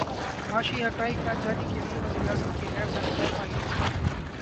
معاشی حقائق جاننے کیلیے وزیر اعظم کے غیر جانبدار ماہرین سے رابطے